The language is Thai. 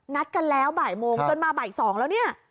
นัดกันแล้วบ่ายโมงเกิดมาบ่ายสองแล้วนี่